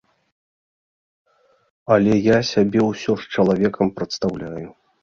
Але я сябе ўсё ж чалавекам прадстаўляю.